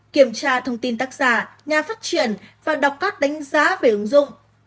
kiểm tra thông tin tác giả nhà phát triển và đọc các đánh giá về ứng dụng